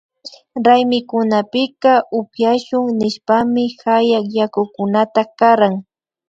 Raymikunapika upyashun nishpami hayak yakukunata karan